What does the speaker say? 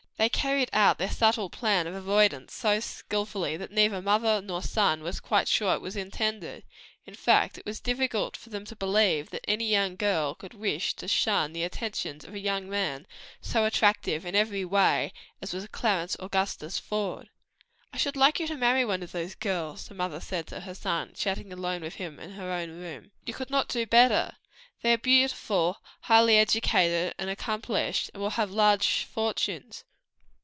They carried out their plan of avoidance, and so skilfully that neither mother nor son was quite sure it was intended. In fact, it was difficult for them to believe that any girl could wish to shun the attentions of a young man so attractive in every way as was Clarence Augustus Faude. "I should like you to marry one of those girls," the mother said to her son, chatting alone with him in her own room; "you could not do better, for they are beautiful, highly educated and accomplished, and will have large fortunes."